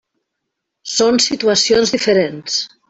Són situacions diferents.